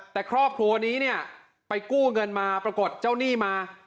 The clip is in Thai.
แต่ครอบครัวนี้เนี่ยไปกู้เงินมาปรากฏเจ้าหนี้มา